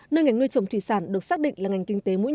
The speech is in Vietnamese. nơi ngành nuôi trồng thủy sản được xác định là ngành kinh tế mũi nhọ